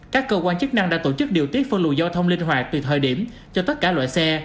các cơ quan chức năng đã tổ chức điều tiết phân lùi giao thông linh hoạt từ thời điểm cho tất cả loại xe